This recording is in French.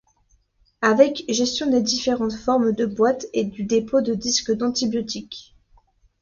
Avec gestion des différentes formes de boîtes et du dépôts de disques d'antibiotiques.